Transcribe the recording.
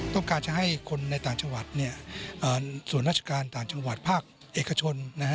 ต้องการจะให้คนในต่างจังหวัดส่วนราชการต่างจังหวัดภาคเอกชน